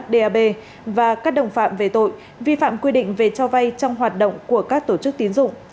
dab và các đồng phạm về tội vi phạm quy định về cho vay trong hoạt động của các tổ chức tín dụng